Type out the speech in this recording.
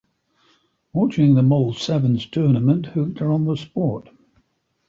Watching the Mull Sevens tournament hooked her on the sport.